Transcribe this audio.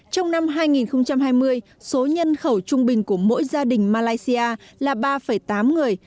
trong năm hai nghìn hai mươi số nhân khẩu trung bình của mỗi gia đình malaysia là ba tám người